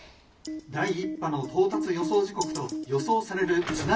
「第１波の到達予想時刻と予想される津波の高さです。